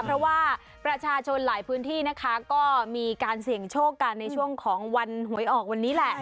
เพราะว่าประชาชนหลายพื้นที่นะคะก็มีการเสี่ยงโชคกันในช่วงของวันหวยออกวันนี้แหละ